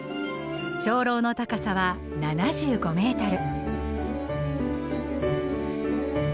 鐘楼の高さは７５メートル。